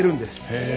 へえ。